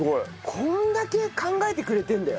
こんだけ考えてくれてるんだよ。